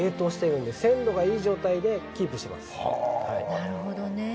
なるほどね。